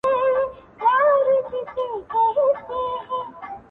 د نېزو پر سر، سرونه -